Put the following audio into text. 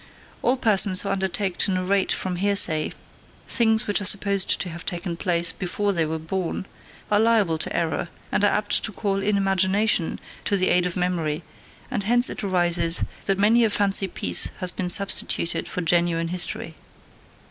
All persons who undertake to narrate from hearsay things which are supposed to have taken place before they were born are liable to error, and are apt to call in imagination to the aid of memory: and hence it arises that many a fancy piece has been substituted for genuine history.